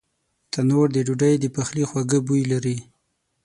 تنور د ډوډۍ د پخلي خواږه بوی لري